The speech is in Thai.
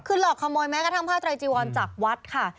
คือหลอกขโมยแม้กระทั่งผ้าไตรจีวรจากวัดค่ะ